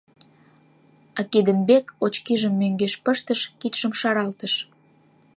А Геденбек очкижым мӧҥгеш пыштыш, кидшым шаралтыш: